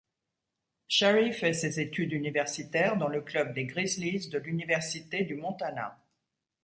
Cherry fait ses études universitaires dans le club des Grizzlies de l'université du Montana.